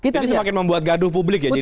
jadi semakin membuat gaduh publik ya jadinya